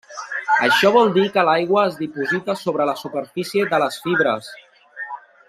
Això vol dir que l'aigua es diposita sobre la superfície de les fibres.